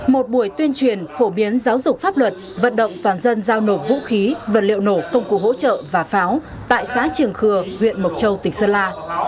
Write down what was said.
một buổi tuyên truyền phổ biến giáo dục pháp luật vận động toàn dân giao nộp vũ khí vật liệu nổ công cụ hỗ trợ và pháo tại xã triềng khừa huyện mộc châu tỉnh sơn la